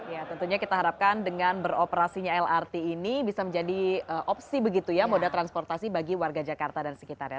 ya tentunya kita harapkan dengan beroperasinya lrt ini bisa menjadi opsi begitu ya moda transportasi bagi warga jakarta dan sekitarnya